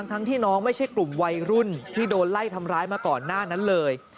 ทั้งที่น้องไม่ใช่กลุ่มวัยรุ่นที่โดนไล่ทำร้ายมาก่อนหน้านั้นเลย